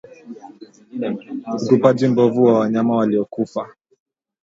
Utupaji mbovu wa wanyama waliokufa